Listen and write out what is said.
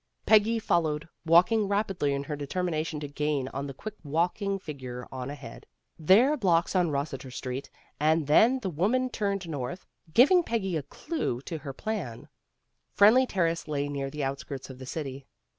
Peggy fol lowed, walking rapidly in her determination to gain on the quick walking figure on ahead. There blocks on Kossiter Street, and then the woman turned north, giving Peggy a clew to her plan. Friendly Terrace lay near the outskirts of the city.